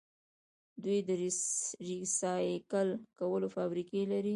دوی د ریسایکل کولو فابریکې لري.